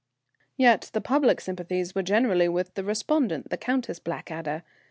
Yet the public sympathies were generally with the respondent, the Countess of Blackadder.